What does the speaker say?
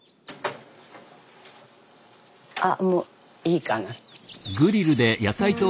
あもういいかな。